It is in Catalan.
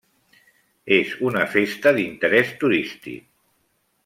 És una festa d’interès turístic.